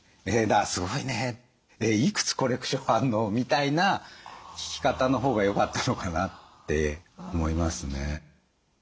だから「すごいねいくつコレクションあるの？」みたいな聞き方のほうがよかったのかなって思いますね。